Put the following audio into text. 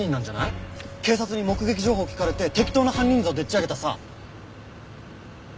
警察に目撃情報を聞かれて適当な犯人像でっちあげたさ。